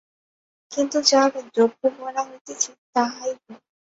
কিন্তু যাহাকে দ্রব্য বলা হইতেছে, তাহাই গুণ।